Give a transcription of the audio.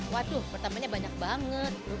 waduh bertambahnya banyak banget